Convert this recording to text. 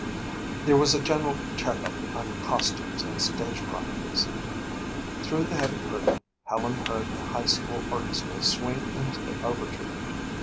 There was a general checkup on costumes and stage properties. Through the heavy curtain Helen heard the high school orchestra swing into the overture.